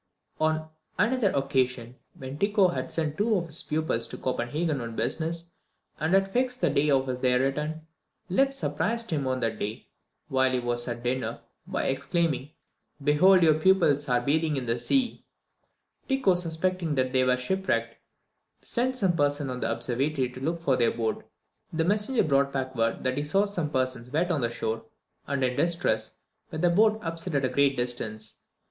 On another occasion, when Tycho had sent two of his pupils to Copenhagen on business, and had fixed the day of their return, Lep surprised him on that day while he was at dinner, by exclaiming, "Behold your pupils are bathing in the sea." Tycho, suspecting that they were shipwrecked, sent some person to the observatory to look for their boat. The messenger brought back word that he saw some persons wet on the shore, and in distress, with a boat upset at a great distance.